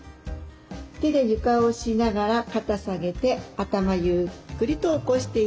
手で床を押しながら肩下げて頭ゆっくりと起こしていきます。